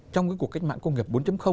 trong cuộc cách mạng công nghiệp bốn